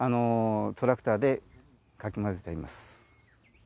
トラクターでかき混ぜちゃいます。